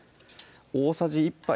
大さじ１杯